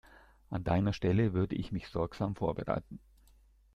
An deiner Stelle würde ich mich sorgsam vorbereiten.